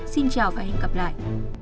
xin chào và hẹn gặp lại